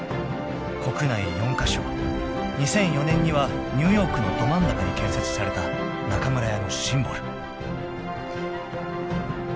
［国内４カ所２００４年にはニューヨークのど真ん中に建設された中村屋のシンボル］